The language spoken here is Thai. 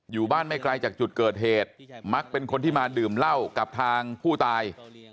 อยู่บ้านไม่ไกลจากจุดเกิดเหตุมักเป็นคนที่มาดื่มเหล้ากับทางผู้ตาย